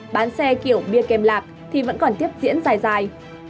bán xe kiểu bia kem lạc thì vẫn còn tiếp diễn dài dài